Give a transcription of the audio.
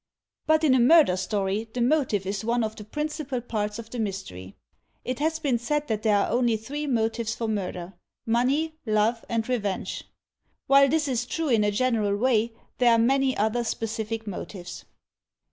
But in a murder story the motive is one of the principal parts of the mystery. It has been said that there are only three motives for murder: money, love and revenge. While this is true in a general way, there are many other specific motives.